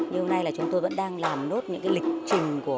như hôm nay chúng tôi vẫn đang làm nốt những lịch trình